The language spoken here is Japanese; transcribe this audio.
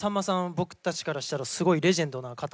僕たちからしたらすごいレジェンドな方なので。